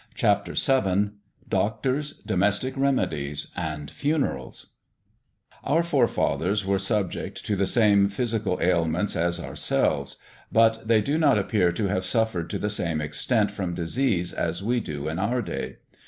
*CHAPTER VII* *DOCTORS, DOMESTIC REMEDIES, AND FUNERALS* Our forefathers were subject to the same physical ailments as ourselves, but they do not appear to have suffered to the same extent from disease as we do in our day.